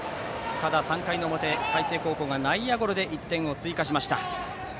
ただ３回の表、海星高校が内野ゴロで１点を追加しました。